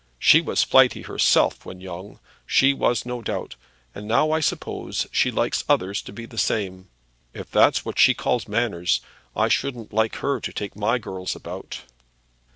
"She was flighty herself, when young; she was, no doubt; and now I suppose she likes others to be the same. If that's what she calls manners, I shouldn't like her to take my girls about."